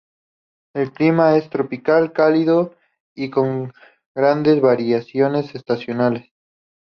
El clima es tropical, cálido y con grandes variaciones estacionales.